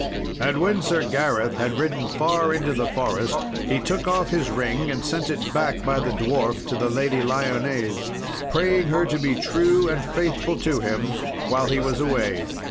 And when Sir Gareth had ridden far into the forest, he took off his ring, and sent it back by the dwarf to the Lady Lyones, praying her to be true and faithful to him while he was away.